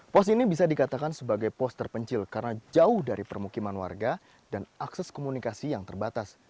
pos ini bisa dikatakan sebagai pos terpencil karena jauh dari permukiman warga dan akses komunikasi yang terbatas